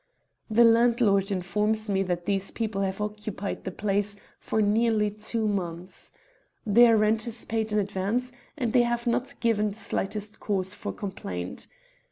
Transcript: The landlord informs me that these people have occupied the place for nearly two months. Their rent is paid in advance, and they have not given the slightest cause for complaint.